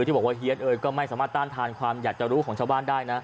ที่บอกว่าเฮียดเอยก็ไม่สามารถต้านทานความอยากจะรู้ของชาวบ้านได้นะ